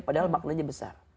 padahal maknanya besar